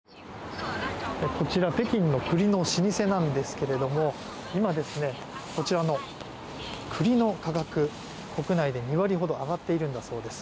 こちら、北京の栗の老舗なんですけれども今、こちらの栗の価格国内で２割ほど上がっているんだそうです。